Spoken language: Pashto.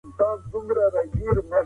نړۍ سره وصل سئ.